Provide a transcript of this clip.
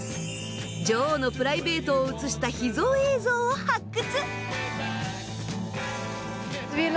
女王のプライベートを映した秘蔵映像を発掘！